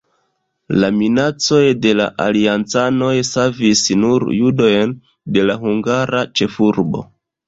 La minacoj de la aliancanoj savis nur judojn de la hungara ĉefurbo.